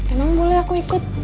emang boleh aku ikut